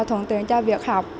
trung tuyển cho việc học